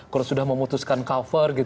kalau sudah memutuskan cover